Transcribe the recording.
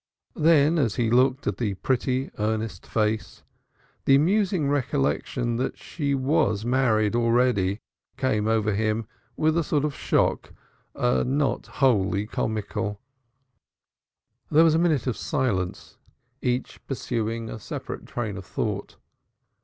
Then as he looked at her pretty, earnest face the amusing recollection that she was married already came over him with a sort of shock, not wholly comical. There was a minute of silence, each pursuing a separate train of thought.